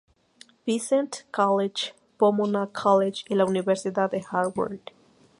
Vincent College, Pomona College, y a la Universidad de Harvard.